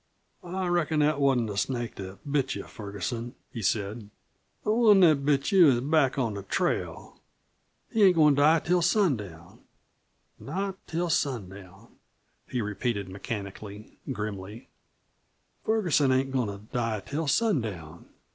"I reckon that wasn't the snake that bit you, Ferguson," he said. "The one that bit you is back on the trail. He ain't goin' to die till sundown. Not till sundown," he repeated mechanically, grimly; "Ferguson ain't goin' to die till sundown."